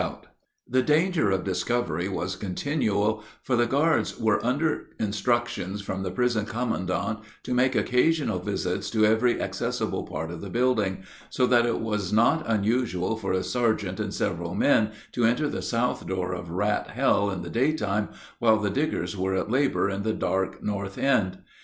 ] The danger of discovery was continual, for the guards were under instructions from the prison commandant to make occasional visits to every accessible part of the building; so that it was not unusual for a sergeant and several men to enter the south door of Rat Hell in the daytime, while the diggers were at labor in the dark north end.